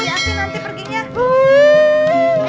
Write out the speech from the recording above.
lihatin nanti perginya